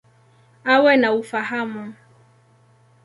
Awe na ufahamu.